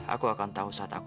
aku akan tahu saat aku